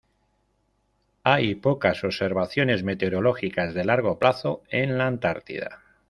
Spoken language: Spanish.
Hay pocas observaciones meteorológicas, de largo plazo, en la Antártida.